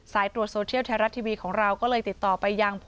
สายตรวจโซเทียลไทยรัฐทีวีของเราก็เลยติดต่อไปยัง